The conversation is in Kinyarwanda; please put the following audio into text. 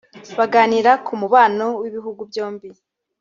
baganira ku mubano w’ibihugu byombi